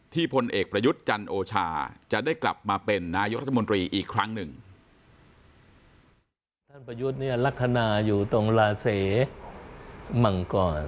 ทุกเรื่องเรามันก็มีปัญหาทั้งนั้นล่ะมั่ง